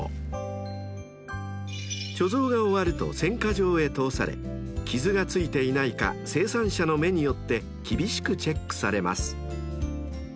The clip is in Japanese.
［貯蔵が終わると選果場へ通され傷が付いていないか生産者の目によって厳しくチェックされます］